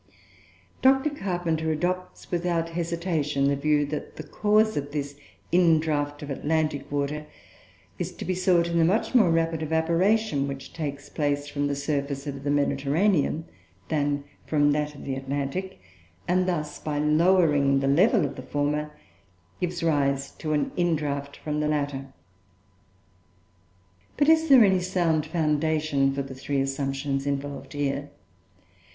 Dr. Carpenter adopts, without hesitation, the view that the cause of this indraught of Atlantic water is to be sought in the much more rapid evaporation which takes place from the surface of the Mediterranean than from that of the Atlantic; and thus, by lowering the level of the former, gives rise to an indraught from the latter. But is there any sound foundation for the three assumptions involved here?